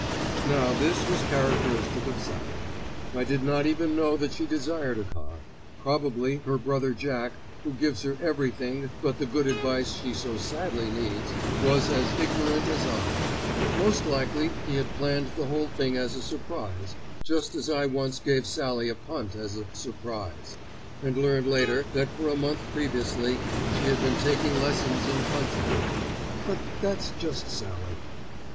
Now this was characteristic of Sallie. I did not even know that she desired a car; probably her brother Jack, who gives her everything but the good advice she so sadly needs, was as ignorant as I. Most likely he had planned the whole thing as a surprise, just as I once gave Sallie a punt as a "surprise," and learned later that for a month previously she had been taking lessons in punting. But that's just Sallie.